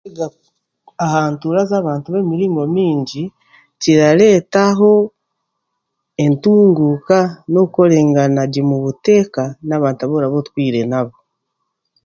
Aha ntuura z'abantu b'emiringo mingi kirareetaho entunguuka n'okukorengana gye mu buteeka n'abantu abu oraba otwire nabo.